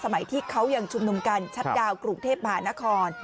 ที่เขายังชุมนุมกันชัดดาวนกรุงเทพมหานคร